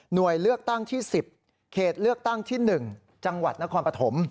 โดยเลือกตั้งที่๑๐เขตเลือกตั้งที่๑จังหวัดนครปฐม